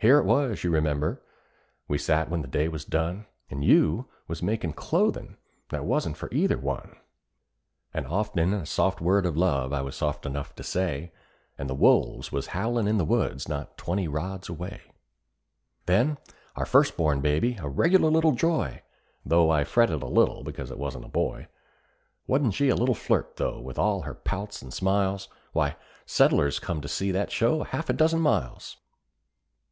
Here it was, you remember, we sat when the day was done, And you was a makin' clothing that wasn't for either one; And often a soft word of love I was soft enough to say, And the wolves was howlin' in the woods not twenty rods away. Then our first born baby a regular little joy, Though I fretted a little because it wasn't a boy: Wa'n't she a little flirt, though, with all her pouts and smiles? Why, settlers come to see that show a half a dozen miles. "SETTLERS COME TO SEE THAT SHOW A HALF A DOZEN MILES."